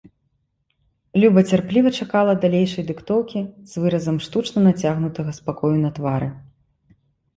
Люба цярпліва чакала далейшай дыктоўкі, з выразам штучна нацягнутага спакою на твары.